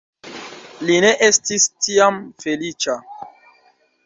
Li ne estis tiam feliĉa.